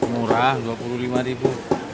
murah rp dua puluh lima ribu